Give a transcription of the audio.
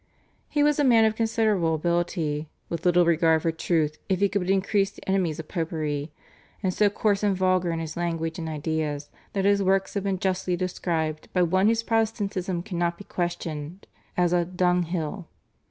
He was a man of considerable ability, "with little regard for truth if he could but increase the enemies of Popery," and so coarse and vulgar in his language and ideas that his works have been justly described by one whose Protestantism cannot be questioned as a "dunghill."